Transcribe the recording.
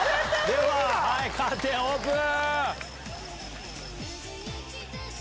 では、カーテンオープン。